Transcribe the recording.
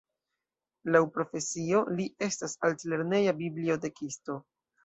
Laŭ profesio, li estas altlerneja bibliotekisto.